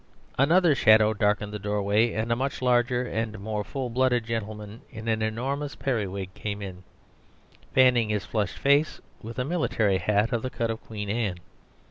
..... Another shadow darkened the doorway, and a much larger and more full blooded gentleman in an enormous periwig came in, fanning his flushed face with a military hat of the cut of Queen Anne.